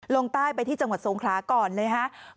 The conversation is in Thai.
ลงใต้ไปที่จังหวัดสงขลาก่อนเลยครับ